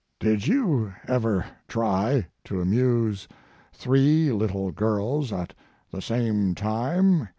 Did you ever try to amuse three little girls at the same time?